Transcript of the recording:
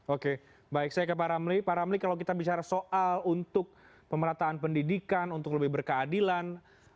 oke baik saya ke pak ramli pak ramli kalau kita bicara soal untuk pemerataan pendidikan untuk lebih berkeadilan